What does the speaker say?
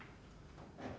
tentang apa yang terjadi